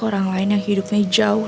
orang lain yang hidupnya jauh